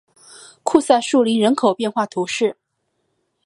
库赛树林人口变化图示